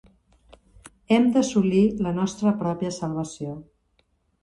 Hem d'assolir la nostra pròpia salvació.